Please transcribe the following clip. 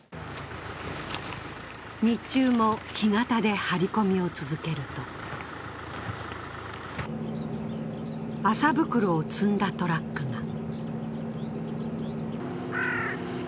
日中も干潟で張り込みを続けると麻袋を積んだトラックが。